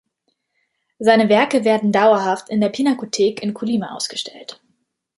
Seine Werke werden dauerhaft in der Pinakothek in Colima ausgestellt.